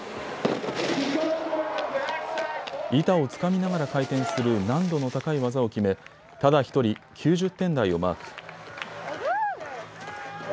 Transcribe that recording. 板をつかみながら回転する難度の高い技を決めただ一人、９０点台をマーク。